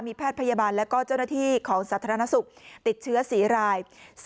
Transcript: แพทย์พยาบาลและก็เจ้าหน้าที่ของสาธารณสุขติดเชื้อ๔ราย